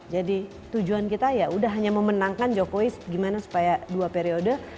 jadi tujuan kita ya sudah hanya memenangkan jokowi supaya dua periode